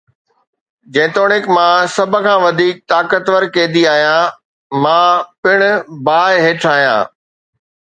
جيتوڻيڪ مان سڀ کان وڌيڪ طاقتور قيدي آهيان، مان پڻ باهه هيٺ آهيان